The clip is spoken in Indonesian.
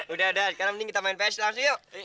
udah udah sekarang mending kita main ps langsung yuk